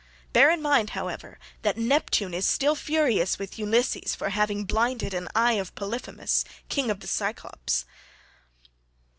Bear in mind, however, that Neptune is still furious with Ulysses for having blinded an eye of Polyphemus king of the Cyclopes.